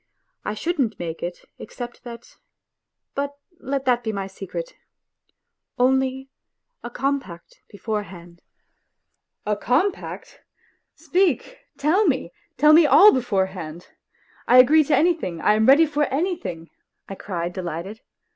... I shouldn't make it except that ... But let that be my secret ! Only a compact beforehand ..."" A compact ! Speak, tell me, tell me all beforehand ; I agree to anything, I am ready for anything," I cried delighted.